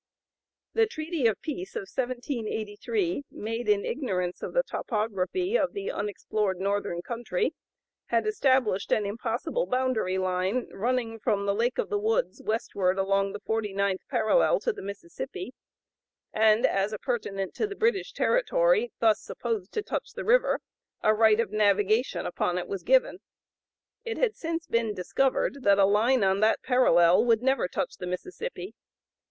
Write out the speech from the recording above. The treaty of peace of 1783, made in ignorance of the topography of the unexplored northern country, had established an impossible boundary line running from the Lake of the Woods westward along the forty ninth parallel to the Mississippi; and as appurtenant to the British territory, thus supposed to touch the river, a right of navigation upon it was given. It had since been discovered that a line on that parallel would never touch the Mississippi.